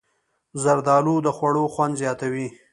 زردالو د خوړو خوند زیاتوي.